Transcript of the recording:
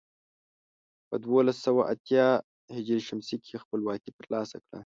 په دولس سوه اتيا ه ش کې خپلواکي تر لاسه کړه.